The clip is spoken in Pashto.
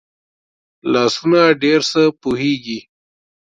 لاسونه ډېر څه پوهېږي